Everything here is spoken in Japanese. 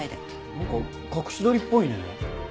なんか隠し撮りっぽいね。